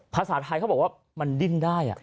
ภาษาไทยเขาบอกว่ามันดิ้นได้